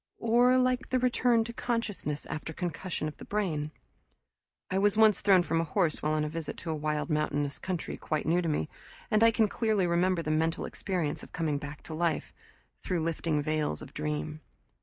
Or like the return to consciousness after concussion of the brain. I was once thrown from a horse while on a visit to a wild mountainous country quite new to me, and I can clearly remember the mental experience of coming back to life, through lifting veils of dream.